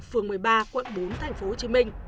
phường một mươi ba quận bốn tp hcm